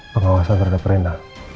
pengawasan berada perena